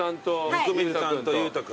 温水さんと裕太君。